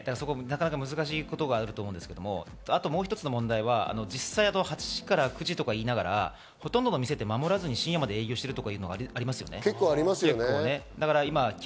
なかなか難しいことがあると思うんですけど、もう一つの問題は、実際８時、９時と言いながら、ほとんどの店は守らずに深夜まで営業しているところがありますね。